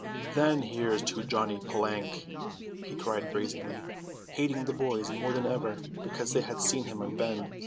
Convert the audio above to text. "Then here's to Johnny Plank!" he cried brazenly, hating the boys more than ever because they had seen him unbend.